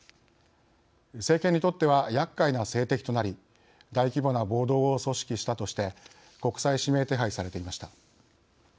政権にとってはやっかいな政敵となり大規模な暴動を組織したとして国際指名手配されていました。